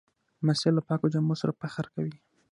لمسی له پاکو جامو سره فخر کوي.